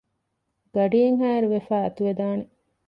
ގަޑިއެއްހާއިރުވެފައި އަތުވެދާނެ